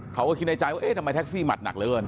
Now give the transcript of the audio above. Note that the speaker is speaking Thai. เขาก็คินในใจว่าทำไมแท็กซี่หมัดหนักเหลือ